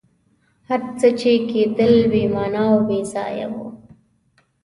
هر څه چي کېدل بي معنی او بېځایه وه.